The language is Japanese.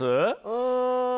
うん。